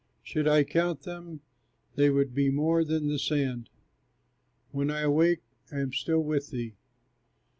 Should I count them, they would be more than the sand; When I awake, I am still with thee.